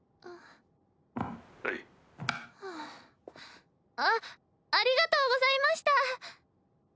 あありがとうございました。